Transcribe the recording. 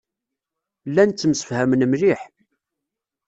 Llan ttemsefhamen mliḥ.